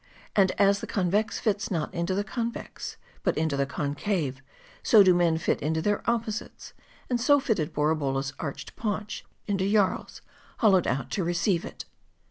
And as the convex fits not into the convex, but into the concave ; so do men fit into their opposites ; and so fitted Borabolla's arched paunch into Jarl's, hollowed out to receive it.